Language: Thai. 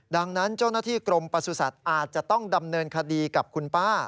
ดังนั้นเจ้าหน้าที่กรมประสุทธิ์อาจจะต้องดำเนินคดีกับคุณป้า